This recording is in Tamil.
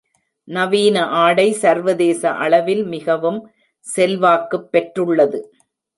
நவீன ஆடை சர்வதேச அளவில் மிகவும் செல்வாக்குப் பெற்றுள்ளது.